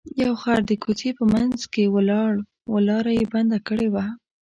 یو خر د کوڅې په منځ کې ولاړ و لاره یې بنده کړې وه.